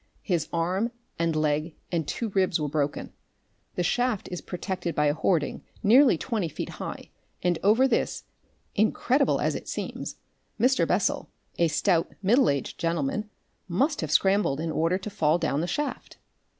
His arm and leg and two ribs were broken. The shaft is protected by a hoarding nearly 20 feet high, and over this, incredible as it seems, Mr. Bessel, a stout, middle aged gentleman, must have scrambled in order to fall down the shaft.